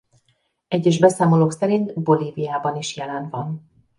Egyes beszámolók szerint Bolíviában is jelen van.